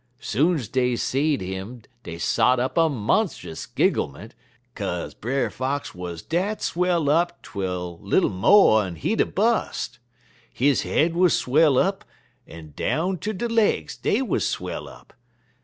Soon's dey seed 'im dey sot up a monst'us gigglement, kaze Brer Fox wuz dat swell up twel little mo'n he'd a bus'. He head wuz swell up, en down ter he legs, dey wuz swell up.